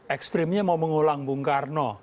ekstrimnya mau mengulang bung karno